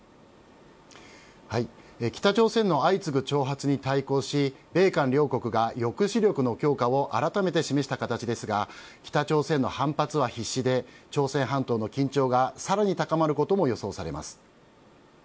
北朝鮮の相次ぐ挑発に対抗し、米韓両国が抑止力の強化を改めて示した形ですが、北朝鮮の反発は必至で、朝鮮半島の緊張がさらに高まることも予想されます。